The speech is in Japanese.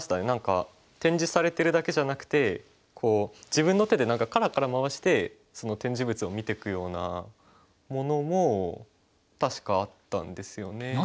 何か展示されてるだけじゃなくて自分の手でカラカラ回して展示物を見ていくようなものも確かあったんですよね。